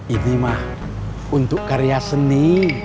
ini mak untuk karya seni